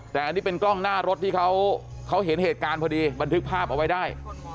แต่อันนี้เป็นกล้องหน้ารถที่เขาเห็นเหตุการณ์พอดีบันทึกภาพเอาไว้ได้